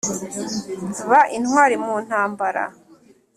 ba intwari mu ntambara!